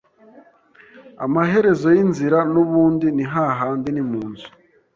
amaherezo yinzira nubundi nihahandi nimunzu